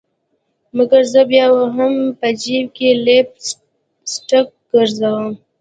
مګر زه بیا هم په جیب کي لپ سټک ګرزوم